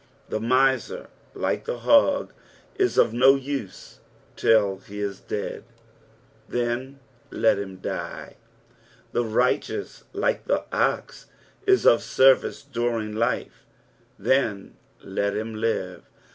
The miser like the hog is of no use till he is dead— then let him die; the righteous like the ox is of service during life — then let him live.